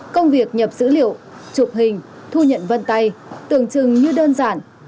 công việc nhập dữ liệu chụp hình thu nhận vân tay tưởng chừng như đơn giản